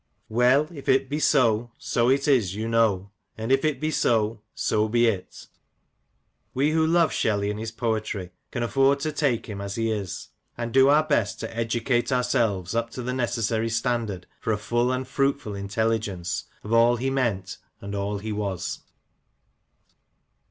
Well, if it be so, so it is, you know ; And if it be so — so be it !" We who love Shelley and his poetry can afford to take him as he is, and do our best to educate ourselves up to the necessary standard for a full and fruitful intelligence of all he meant and all he was.